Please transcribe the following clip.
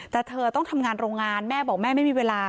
แต่เธอต้องทำงานโรงงานแม่บอกแม่ไม่มีเวลา